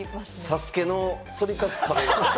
『ＳＡＳＵＫＥ』のそり立つ壁。